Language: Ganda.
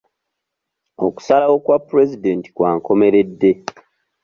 Okusalawo kwa pulezidenti kwa nkomeredde.